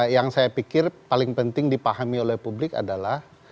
yang saya pikir paling penting dipahami oleh publik adalah